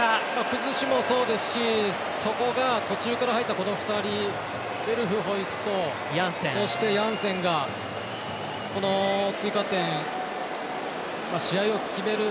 崩しもそうですしそこが途中から入った２人、ベルフホイスとそして、ヤンセンが追加点試合を決める